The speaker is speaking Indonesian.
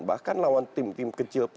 bahkan lawan tim tim kecil pun